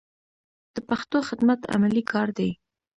د پښتو خدمت عملي کار دی.